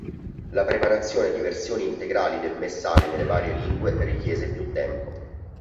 La preparazione di versioni integrali del messale nelle varie lingue richiese più tempo.